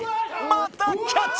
またキャッチ！